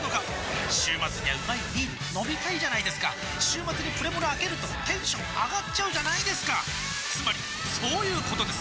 週末にはうまいビール飲みたいじゃないですか週末にプレモルあけるとテンション上がっちゃうじゃないですかつまりそういうことです！